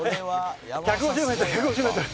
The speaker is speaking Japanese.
１５０メートル１５０メートル。